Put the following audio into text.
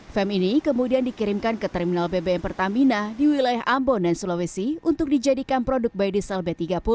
fem ini kemudian dikirimkan ke terminal bbm pertamina di wilayah ambon dan sulawesi untuk dijadikan produk biodiesel b tiga puluh